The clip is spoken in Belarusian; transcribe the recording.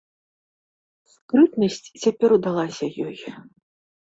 Скрытнасць цяпер удалася ёй.